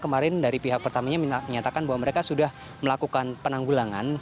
kemarin dari pihak pertamina menyatakan bahwa mereka sudah melakukan penanggulangan